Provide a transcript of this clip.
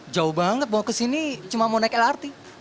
jauh banget mau ke sini cuma mau naik lrt